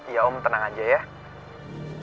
ya om tenang aja ya